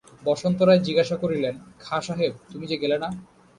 বসন্ত রায় জিজ্ঞাসা করিলেন, খাঁ সাহেব, তুমি যে গেলে না?